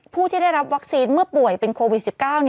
ผู้ที่ได้รับวัคซีนเมื่อป่วยเป็นโควิด๑๙